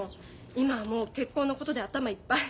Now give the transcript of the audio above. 今はもう結婚のことで頭いっぱい。